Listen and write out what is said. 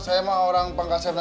saya mah orang pangkasem nih